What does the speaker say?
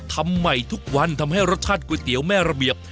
ทำใหม่ทุกวันทำให้รสชาติก๋วยเตี๋ยวแม่ระเบียบ